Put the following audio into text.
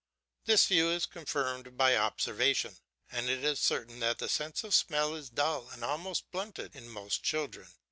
This view is confirmed by observation, and it is certain that the sense of smell is dull and almost blunted in most children.